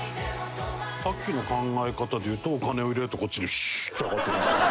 さっきの考え方でいうとお金を入れるとこっちにシューッと上がってくるんじゃない？